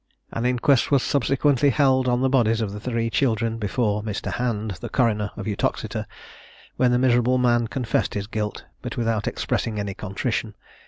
An inquest was subsequently held on the bodies of the three children, before Mr. Hand, coroner, of Uttoxeter, when the miserable man confessed his guilt, but without expressing any contrition.